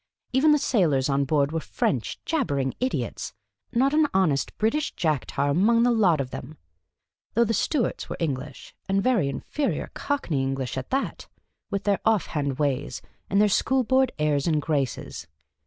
Even the sailors on board were French — jabbering idiots ; not an honest British Jack tar among the lot of them ; though the stewards were English, and very inferior Cockney English at that, with their offhand ways, and their School Board airs and graces.